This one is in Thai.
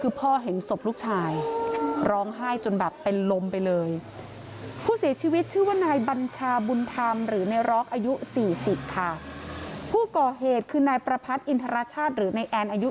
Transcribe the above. คือพ่อเห็นศพลูกชายล้องไห้จนแบบเป็นลมไปเลยอีกผู้เสียชีวิตชื่อว่านายบัญชาบุญธรรมหรือใน